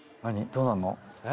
どうなんの？